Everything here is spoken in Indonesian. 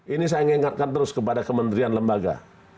ini saya ingatkan terus kepada kementerian lembaga